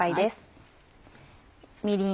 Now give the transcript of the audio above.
みりん。